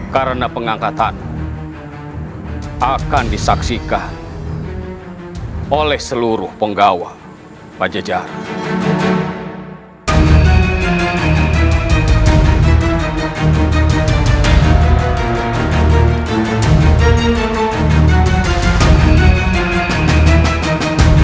karena pengangkatan akan disaksikan oleh seluruh penggawa pada jajaran